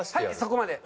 そこまで。